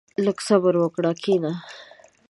• لږ صبر وکړه، کښېنه.